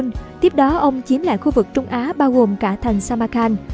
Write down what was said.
năm một nghìn năm trăm linh năm tiếp đó ông chiếm lại khu vực trung á bao gồm cả thành samarkand